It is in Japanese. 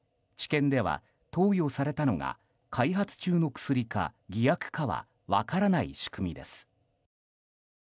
治験では投与されたのが開発中の薬か偽薬かは分からない仕組みです。